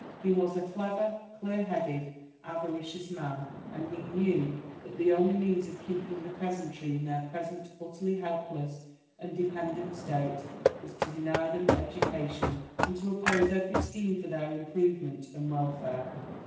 He was a clever, clear headed, avaricious man; and he knew that the only means of keeping the peasantry in their present utterly helpless and dependent state, was to deny them education, and to oppose every scheme for their improvement and welfare.